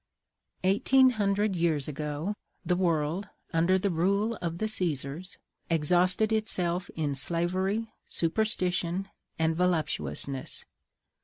Eighteen Hundred years ago, the world, under the rule of the Caesars, exhausted itself in slavery, superstition, and voluptuousness.